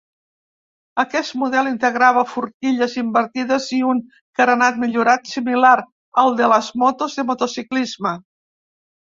Aquest model integrava forquilles invertides i un carenat millorat, similar al de les motos de motociclisme.